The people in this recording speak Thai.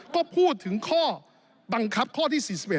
ก็พูดถึงข้อบังคับข้อที่๔๑